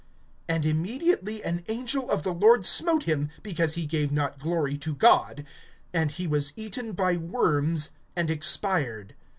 (23)And immediately an angel of the Lord smote him, because he gave not glory to God; and he was eaten by worms, and expired.